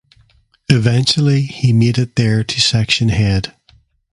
Eventually he made it there to section head.